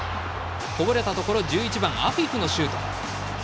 こぼれたところ１１番、アフィフのシュート。